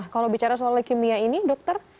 kalau bicara soal leukemia ini dokter